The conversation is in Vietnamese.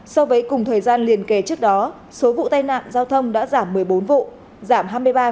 so với cùng thời gian liền kề trước đó số vụ tai nạn giao thông đã giảm một mươi bốn vụ giảm hai mươi ba bảy mươi ba